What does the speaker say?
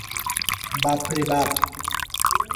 বাপ রে বাপ!